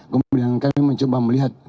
kemudian kami mencoba melihat